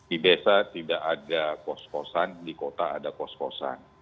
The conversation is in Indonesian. di desa tidak ada kos kosan di kota ada kos kosan